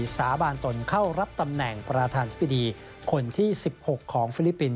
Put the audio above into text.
สาบานตนเข้ารับตำแหน่งประธานธิบดีคนที่๑๖ของฟิลิปปินส